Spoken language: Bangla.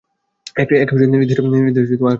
এর নির্দিষ্ট আকার ও আয়তন আছে।